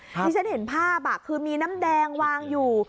ที่ฉันเห็นภาพคือมีน้ำแดงวางอยู่